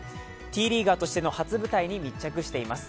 Ｔリーガーとしての初舞台に密着しています。